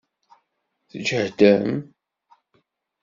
Tǧehdem?